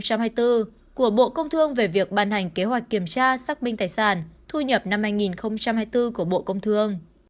bộ công thương về việc ban hành kế hoạch kiểm tra xác minh tài sản thu nhập năm hai nghìn hai mươi bốn của bộ công thương